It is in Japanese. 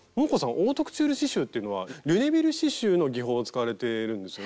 オートクチュール刺しゅうというのはリュネビル刺しゅうの技法を使われているんですよね。